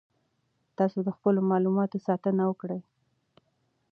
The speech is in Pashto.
تاسو د خپلو معلوماتو ساتنه وکړئ.